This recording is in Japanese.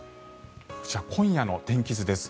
今夜の天気図です。